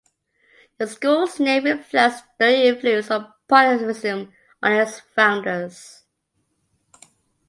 The school's name reflects the influence of positivism on its founders.